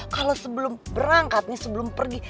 kalau sebelum berangkat nih sebelum pergi